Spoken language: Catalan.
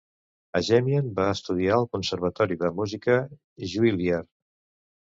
Ajemian va estudiar al conservatori de música Juilliard.